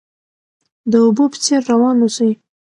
د اوبو په څیر روان اوسئ.